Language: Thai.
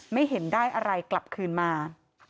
ไม่เห็นได้อะไรกลับคืนมา